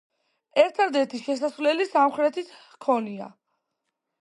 ერთადერთი შესასვლელი სამხრეთით ჰქონია.